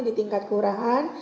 di tingkat keurahan